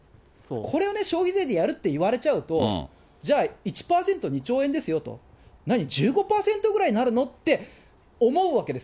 これをね、消費税でやるって言われちゃうと、じゃあ、１％２兆円ですよと、何、１５％ぐらいになるのって思うわけです。